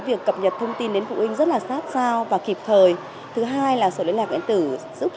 việc cập nhật thông tin đến phụ huynh rất là sát sao và kịp thời thứ hai là sổ liên lạc điện tử giúp